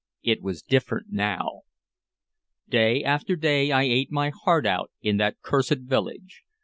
It was different now. Day after day I ate my heart out in that cursed village.